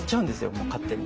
もう勝手に。